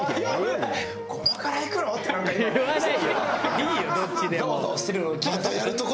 「いいよどっちでも」